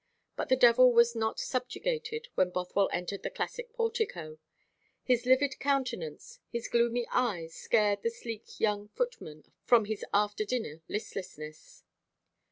But the devil was not subjugated when Bothwell entered the classic portico. His livid countenance, his gloomy eyes scared the sleek young footman from his after dinner listlessness.